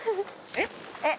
えっ？